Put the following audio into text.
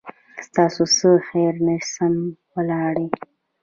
ستاسو څخه خير نسم وړلای